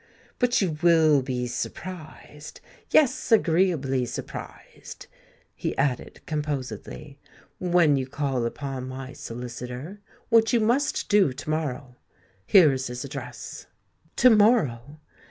"But you will be surprised—yes, agreeably surprised," he added composedly, "when you call upon my solicitor—which you must do to morrow! Here is his address." "To morrow!"